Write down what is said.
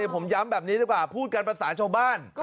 ผมย้ำแบบนี้ดีกว่าพูดกันภาษาชาวบ้าน